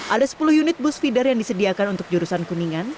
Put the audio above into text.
ada sepuluh unit bus feeder yang disediakan untuk jurusan kuningan